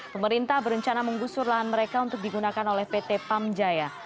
pemerintah berencana menggusur lahan mereka untuk digunakan oleh pt pamjaya